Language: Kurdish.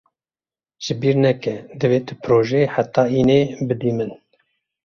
Ji bîr neke divê tu projeyê heta înê bidî min.